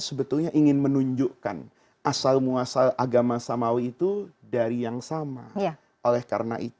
sudah delapan puluh lima gram emas lagi gak